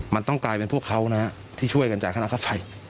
มันต้องกลายเป็นพวกเขานะที่ช่วยกันจ่ายค่าน้ำค่าไฟ